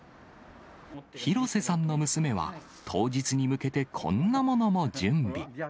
広瀬さんの娘は、当日に向けて、こんなものも準備。